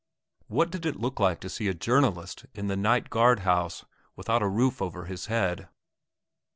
What did it look like to see a journalist in the night guard house without a roof over his head?